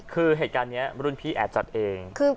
คือเหตุการณ์นี้รุ่นพี่แอบจัดเอง